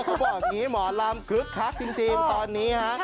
เขาบอกอย่างนี้หมอลำคึกคักจริงตอนนี้ฮะ